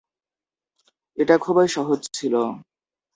এটা খুবই সহজ ছিল!